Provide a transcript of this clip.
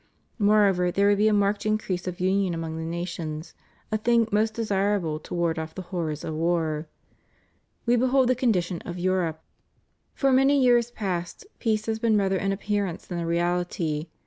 Moreover there would be a marked increase of imion among the nations, a thing most desirable to ward off the horrors of war. We behold the condition of Europe. For many years 316 THE REUNION OF CHRISTENDOM. past peace has been rather an appearance than a reality.